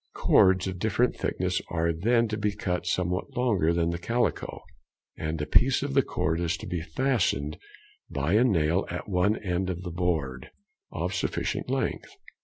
Cords of different thickness are then to be cut somewhat longer than the calico, and a piece of the cord is to be fastened by a nail at one end on a board of sufficient length.